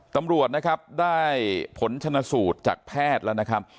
ตำรวจนะครับได้ผลชนสูตรจากแพทย์แล้วนะครับ